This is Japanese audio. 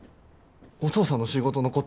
お父さんの仕事のこと